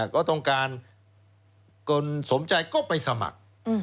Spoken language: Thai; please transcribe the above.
ก็ต้องการคือผู้สมชัยก็ไปสมัคร